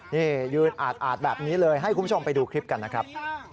นี่ยืนอาดแบบนี้เลยให้คุณผู้ชมไปดูคลิปกันนะครับ